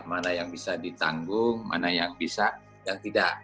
mana yang bisa ditanggung mana yang bisa yang tidak